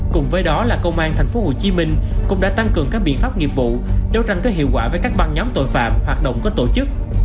cùng với đó là công an tp hcm cũng đã tăng cường các biện pháp nghiệp vụ đấu tranh có hiệu quả với các băng nhóm tội phạm hoạt động có tổ chức